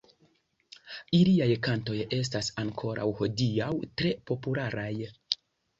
Iliaj kantoj estas ankoraŭ hodiaŭ tre popularaj.